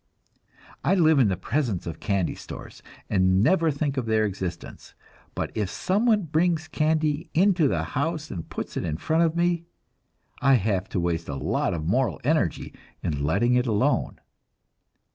I live in the presence of candy stores and never think of their existence, but if someone brings candy into the house and puts it in front of me, I have to waste a lot of moral energy in letting it alone.